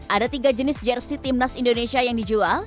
ada tiga jenis jersi timnas indonesia yang dijual